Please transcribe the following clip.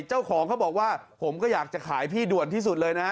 เจ้าของเขาบอกว่าผมก็อยากจะขายพี่ด่วนที่สุดเลยนะ